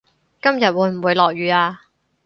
今日會唔會落雨呀